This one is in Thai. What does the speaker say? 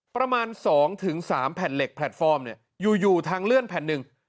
ประมาณ๒๓แผ่นเหล็กแพลตฟอร์มเนี่ยอยู่ทางเลื่อนแผ่นหนึ่ง